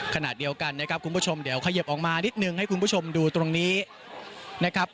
ขณะเดียวกันนะครับคุณผู้ชมเดี๋ยวขยิบออกมานิดนึงให้คุณผู้ชมดูตรงนี้นะครับ